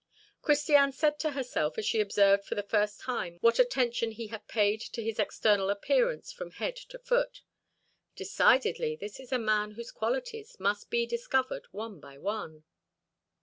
Christiane said to herself, as she observed for the first time what attention he had paid to his external appearance from head to foot: "Decidedly this is a man whose qualities must be discovered one by one."